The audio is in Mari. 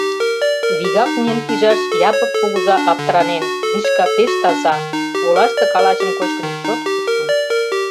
Вигак миен пижаш Япык кугыза аптыранен: Мишка пеш таза, олаште калачым кочкын, чот кушкын.